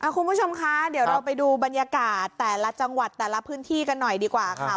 คุณผู้ชมคะเดี๋ยวเราไปดูบรรยากาศแต่ละจังหวัดแต่ละพื้นที่กันหน่อยดีกว่าค่ะ